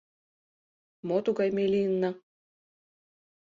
Мо тугай ме лийынна?